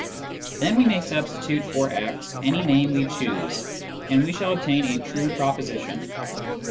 Then we may sub j stitute for " x " any name we choose, and we shall obtain a true proposition.